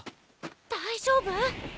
大丈夫？